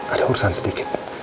ada urusan sedikit